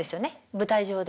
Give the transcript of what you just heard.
舞台上で。